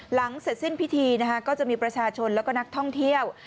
หลังเสร็จสิ้นพิธีจะมีประชาชนและนักท่องเที่ยว